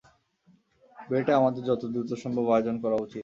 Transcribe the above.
বিয়েটা আমাদের যত দ্রুত সম্ভব আয়োজন করা উচিত।